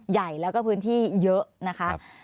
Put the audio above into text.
ใหญ่แล้วก็พื้นที่เยอะนะคะ